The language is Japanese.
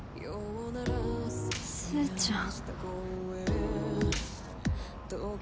すーちゃん。